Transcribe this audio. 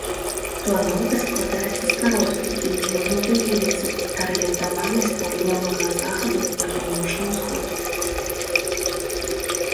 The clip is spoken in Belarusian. Планоўка складаецца з кароткай, ледзь выгнутай вуліцы, арыентаванай з паўднёвага захаду на паўночны ўсход.